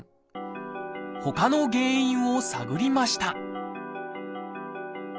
ほかの原因を探りました